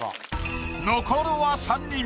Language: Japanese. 残るは３人。